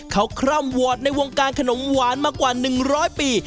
เขาคร่ำวอร์ดในวงการขนมหวานมากว่า๑๐๐ปี